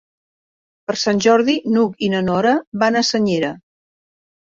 Per Sant Jordi n'Hug i na Nora van a Senyera.